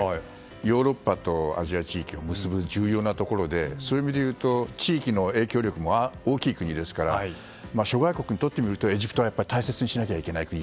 ヨーロッパとアジア地域を結ぶ重要なところでそういう意味でいうと地域の影響力も大きい国ですから諸外国にとってみるとエジプトは大切にしないといけない国。